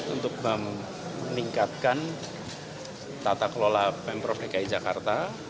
untuk meningkatkan tata kelola pemprov dki jakarta